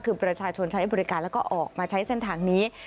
คือประชาชนใช้บริการแล้วก็ออกมาใช้เส้นทางนี้